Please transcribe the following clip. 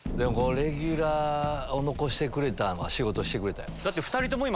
レギュラーを残してくれたんは仕事してくれたよ。